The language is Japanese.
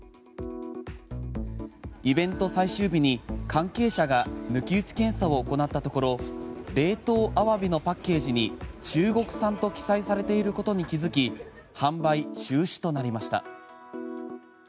イベント最終日に関係者が抜き打ち検査を行ったところ冷凍アワビのパッケージに中国産と記載されていることに気づき販売中止となりました。